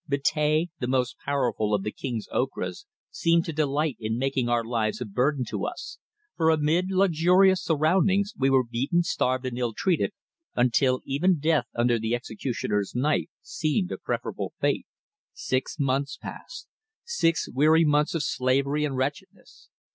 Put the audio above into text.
Betea, the most powerful of the King's Ocras, seemed to delight in making our lives a burden to us, for amid luxurious surroundings we were beaten, starved, and ill treated, until even death under the executioner's knife seemed a preferable fate. Six months passed; six weary months of slavery and wretchedness.